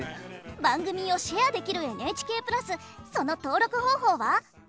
番組をシェアできるＮＨＫプラスその登録方法は？